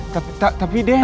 tapi tapi den